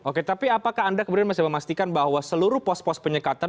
oke tapi apakah anda kemudian masih memastikan bahwa seluruh pos pos penyekatan